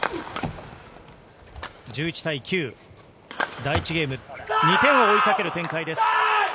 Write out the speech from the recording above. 第１ゲーム、１点を追いかける展開です。